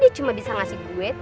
dia cuma bisa ngasih duit